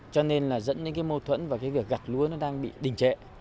cho nên là dẫn đến cái mâu thuẫn và cái việc gặt lúa nó đang bị đình trệ